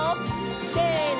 せの！